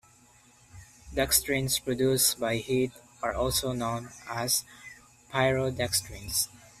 Dextrins produced by heat are also known as pyrodextrins.